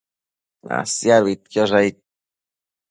Nasiaduidquiosh aid